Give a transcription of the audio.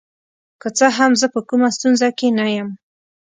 که څه هم زه په کومه ستونزه کې نه یم.